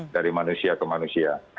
dari manusia ke manusia